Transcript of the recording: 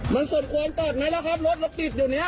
มันสดควรตอบไหมแล้วครับรถเราติดอยู่เนี้ย